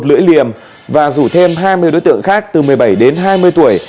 lưỡi liềm và rủ thêm hai mươi đối tượng khác từ một mươi bảy đến hai mươi tuổi